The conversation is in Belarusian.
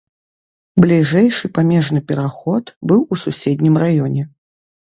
Бліжэйшы памежны пераход быў у суседнім раёне.